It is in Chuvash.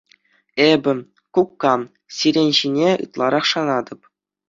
Эпӗ, кукка, сирӗн ҫине ытларах шанатӑп.